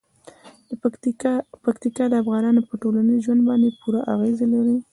پکتیکا د افغانانو په ټولنیز ژوند باندې پوره اغېز لري.